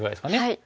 はい。